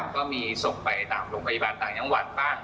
ก็มีส่งไปตามโรงพยาบาลต่างจังหวัดบ้าง